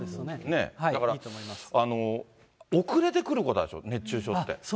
だから遅れてくることがあるんですよ、熱中症って。